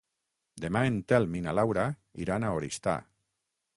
Demà en Telm i na Laura iran a Oristà.